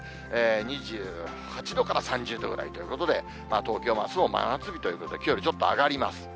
２８度から３０度ぐらいということで、東京もあすは真夏日ということで、きょうよりちょっと上がります。